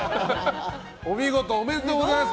お見事、おめでとうございます。